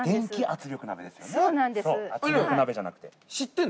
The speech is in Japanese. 圧力鍋じゃなくて。